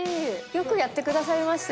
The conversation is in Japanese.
よくやってくださいましたよね